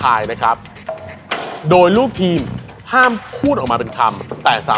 มาเติมเวลาดีมากร้านนี้เรา